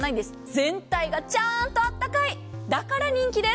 全体がちゃんとあったかいだから人気です。